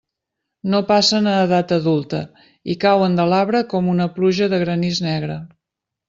No passen a edat adulta i cauen de l'arbre com una pluja de granís negre.